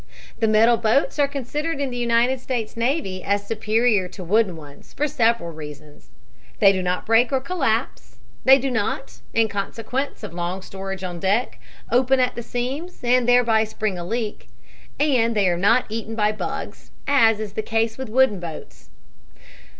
The metal boats are considered in the United States Navy as superior to wooden ones, for several reasons: They do not break or collapse; they do not, in consequence of long storage on deck, open at the seams and thereby spring a leak; and they are not eaten by bugs, as is the case with wooden boats.